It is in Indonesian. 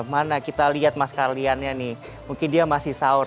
mana kita lihat mas karliannya nih mungkin dia masih sahur